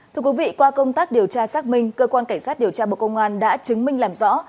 thưa quý vị qua công tác điều tra xác minh cơ quan cảnh sát điều tra bộ công an đã chứng minh làm rõ